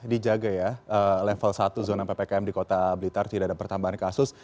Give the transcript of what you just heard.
dijaga ya level satu zona ppkm di kota blitar tidak ada pertambahan kasus